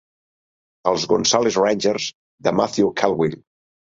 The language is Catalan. Els "Gonzales Rangers" de Mathew Caldwell.